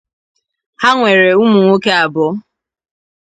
Ha nwere ụmụ nwoke abụọ.